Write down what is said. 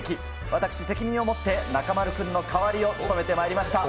私、責任を持って中丸君の代わりを務めてまいりました。